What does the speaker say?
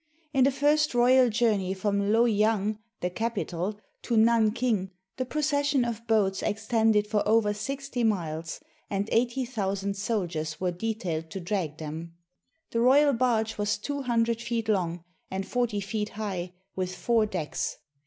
In the first royal journey from Lohyang, the capital, to 60 THE PRODIGAL EMPEROR WANG TI Nanking, the procession of boats extended for over sixty miles, and eighty thousand soldiers were detailed to drag them. The royal barge was two hundred feet long and forty feet high, with four decks.